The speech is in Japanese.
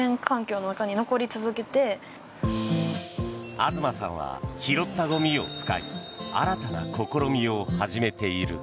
東さんは拾ったゴミを使い新たな試みを始めている。